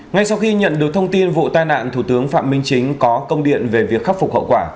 ngay sau khi nhận được thông tin vụ tai nạn thủ tướng phạm minh chính có công điện về việc khắc phục hậu quả